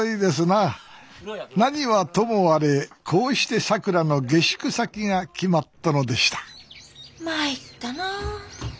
何はともあれこうしてさくらの下宿先が決まったのでしたまいったなあ。